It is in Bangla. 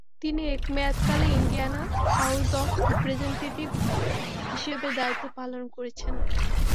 তিনি এক মেয়াদকালে ইন্ডিয়ানা হাউজ অব রিপ্রেজেন্টেটিভ হিসেবে দায়িত্ব পালন করেছেন।